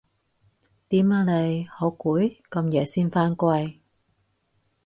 點啊你？好攰？咁夜先返歸